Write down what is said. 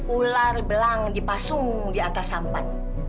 ular belang dipasung di atas sampan